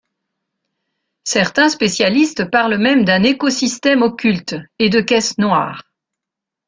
Certains spécialistes parlent même d'un écosystème occulte, et de caisses noires.